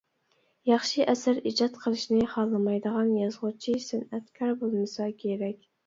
ياخشى ئەسەر ئىجاد قىلىشنى خالىمايدىغان يازغۇچى، سەنئەتكار بولمىسا كېرەك.